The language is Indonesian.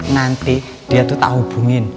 nanti dia tuh tak hubungin